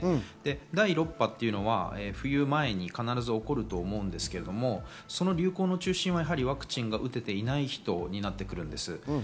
第６波は冬前に必ず起こると思うんですけれども、その流行の中心はワクチンが打てていない人になってくるんです。